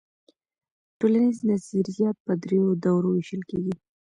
ټولنیز نظریات په درېیو دورو وېشل کيږي.